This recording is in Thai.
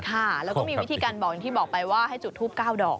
ค่ะแล้วก็มีวิธีการบอกอย่างที่บอกไปว่าให้จุดทูป๙ดอก